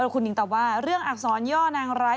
คุณหญิงตอบว่าเรื่องอักษรย่อนางร้าย